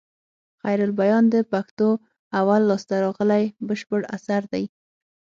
خيرالبيان د پښتو اول لاسته راغلى بشپړ اثر دئ.